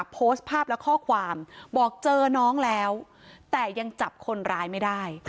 โพสต์ภาพและข้อความบอกเจอน้องแล้วแต่ยังจับคนร้ายไม่ได้